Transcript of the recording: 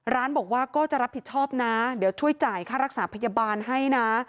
ร้านบอกว่าก็จะรับผิดชอบนะเดี๋ยวช่วยจ่ายค่ารักษาพยาบาลให้นะ